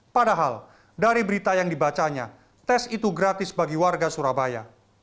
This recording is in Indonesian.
padahal dari berita yang dibacanya tes itu gratis bagi warga surabaya